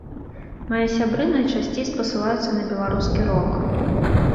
Мае сябры найчасцей спасылаюцца на беларускі рок.